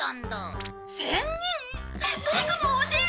ボクも欲しい！